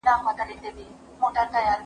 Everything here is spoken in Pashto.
نن دي د دښتونو پر لمنه رمې ولیدې